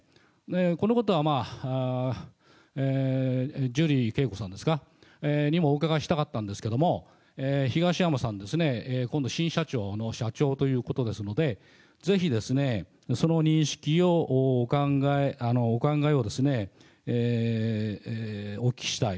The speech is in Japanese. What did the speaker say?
このことはジュリー景子さんですか、にもお伺いしたかったんですけども、東山さんですね、今度、新社長の社長ということですので、ぜひですね、その認識を、お考え、お考えをですね、お聞きしたい。